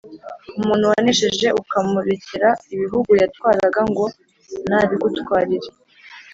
umuntu wanesheje ukamurekera ibihugu yatwaraga, ngo nabigutwarire!